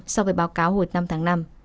so với báo cáo hồi năm tháng năm